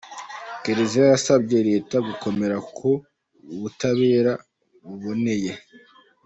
Kiliziya yasabye Leta gukomera ku butabera buboneye